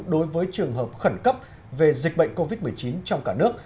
đối với trường hợp khẩn cấp về dịch bệnh covid một mươi chín trong cả nước